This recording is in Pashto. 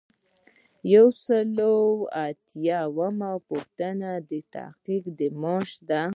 یو سل او اتلسمه پوښتنه د تحقیق د معاش ده.